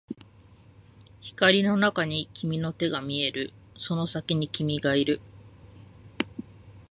光の中に君の手が見える、その先に君がいる